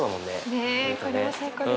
ねえこれも最高です。